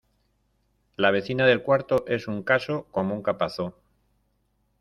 La vecina del cuarto es un caso como un capazo.